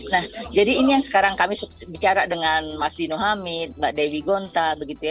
nah jadi ini yang sekarang kami bicara dengan mas dino hamid mbak dewi gonta begitu ya